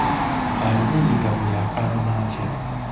Alina emigabo y'afaanana atya?